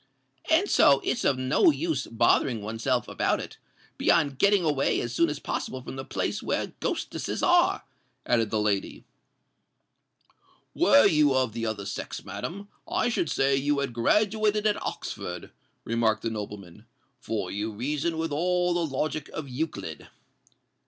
"And so it's of no use bothering oneself about it—beyond getting away as soon as possible from the place where ghostesses are," added the lady. "Were you of the other sex, madam, I should say you had graduated at Oxford," remarked the nobleman; "for you reason with all the logic of Euclid."